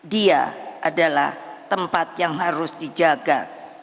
dia adalah tempat yang harus dijaga